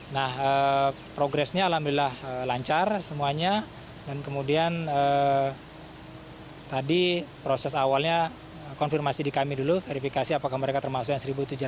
nah progresnya alhamdulillah lancar semuanya dan kemudian tadi proses awalnya konfirmasi di kami dulu verifikasi apakah mereka termasuk yang satu tujuh ratus